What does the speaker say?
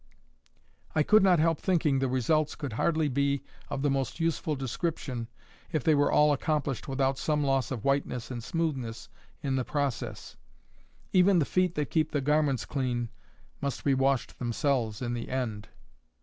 I could not help thinking the results could hardly be of the most useful description if they were all accomplished without some loss of whiteness and smoothness in the process. Even the feet that keep the garments clean must be washed themselves in the end.